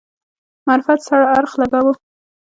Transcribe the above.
معرفت سره اړخ لګاوه.